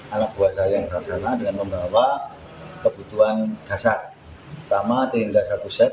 anak buah saya yang terlaksana dengan membawa kebutuhan dasar sama tenda satu set